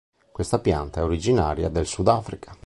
Questa pianta è originaria del Sudafrica.